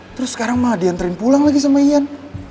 terus sekarang malah diantarin pulang lagi sama ian